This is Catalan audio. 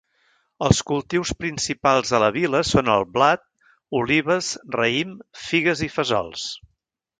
Els cultius principals a la vila són el blat, olives, raïm, figues i fesols.